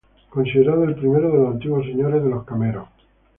Considerado el primero de los antiguos señores de los Cameros.